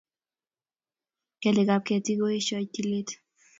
kelikap ketik koeshoi tilet